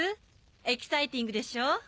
エキサイティングでしょ？